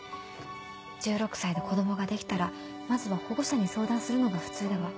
１６歳で子供ができたらまずは保護者に相談するのが普通では？